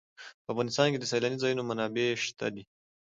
په افغانستان کې د سیلاني ځایونو منابع شته دي.